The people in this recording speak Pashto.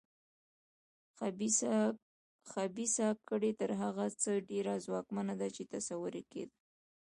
خبیثه کړۍ تر هغه څه ډېره ځواکمنه ده چې تصور یې کېده.